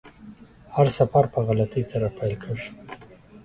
هر سفر په غلطۍ سره پیل کیږي.